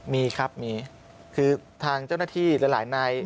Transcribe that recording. มีครับมีคือทางเจ้าหน้าที่หลายนาย